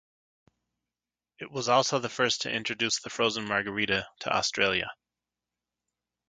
It was also the first to introduce the frozen margarita to Australia.